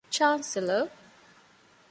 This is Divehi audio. ޗާންސެލަރ